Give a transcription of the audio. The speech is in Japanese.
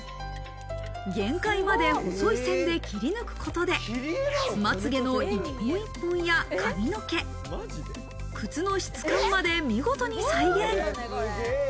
限界まで細い線で切り抜くことで、まつげの一本一本や髪の毛、靴の質感まで見事に再現。